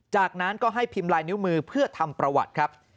จากนั้นก็ให้พิมพ์ลายนิ้วมือเพื่อทำประวัติครับ